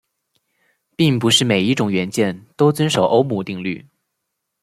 并不是每一种元件都遵守欧姆定律。